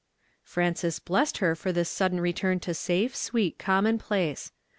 Frances blessed her for this sudden return to safe, sweet commonplace.